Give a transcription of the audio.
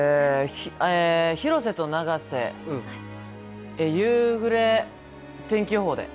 広瀬と永瀬、夕暮れ天気予報で。